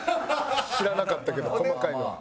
知らなかったけど細かいの。